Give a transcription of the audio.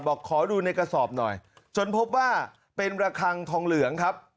ขอดูในกระสอบหน่อยจนพบว่าเป็นระคังทองเหลืองครับ